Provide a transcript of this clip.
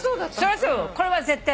これは絶対。